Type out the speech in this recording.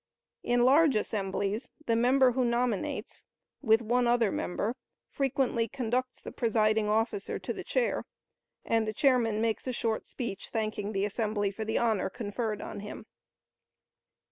In large assemblies, the member who nominates, with one other member, frequently conducts the presiding officer to the chair, and the chairman makes a short speech, thanking the assembly for the honor conferred on him.